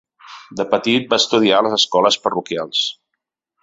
De petit va estudiar a les Escoles Parroquials.